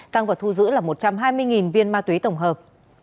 tăng vật thu giữ là một trăm hai mươi viên ma túy tổng hợp